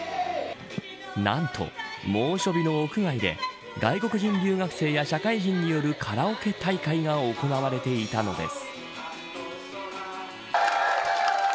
なんと、猛暑日の屋外で外国人留学生や社会人によるカラオケ大会が行われていたのです。